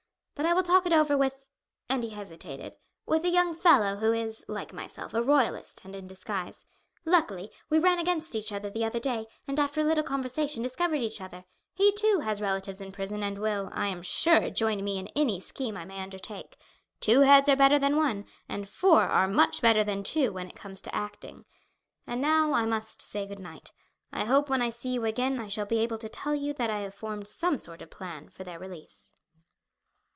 But I will talk it over with" and he hesitated "with a young fellow who is, like myself, a Royalist, and in disguise. Luckily, we ran against each other the other day, and after a little conversation discovered each other. He, too, has relatives in prison, and will, I am sure, join me in any scheme I may undertake. Two heads are better than one, and four are much better than two when it comes to acting. And now I must say good night. I hope when I see you again I shall be able to tell you that I have formed some sort of plan for their release."